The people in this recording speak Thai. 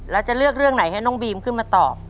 แล้วจะเลือกเรื่องไหนให้น้องบีมขึ้นมาตอบ